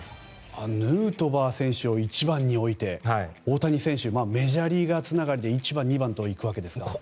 ヌートバー選手を１番に置いて大谷選手メジャーリーガーつながりで１番、２番と行くわけですか。